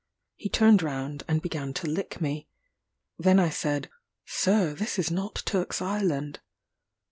He turned round and began to lick me. Then I said, "Sir, this is not Turk's Island."